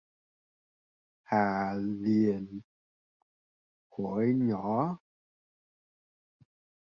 Hà liền hỏi nhỏ